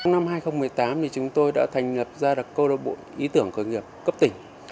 năm hai nghìn một mươi tám chúng tôi đã thành lập ra cô lập bộ ý tưởng khởi nghiệp cấp tỉnh